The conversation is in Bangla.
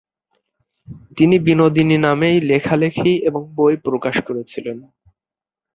তিনি বিনোদিনী নামেই লেখালেখি এবং বই প্রকাশ করেছিলেন।